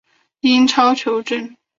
英超球证